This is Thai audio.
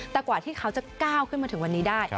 แต่กว่าที่เขาจะก้าวขึ้นมาถึงวันนี้ได้